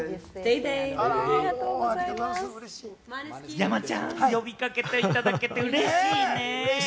山ちゃん、呼び掛けていただけてうれしいね。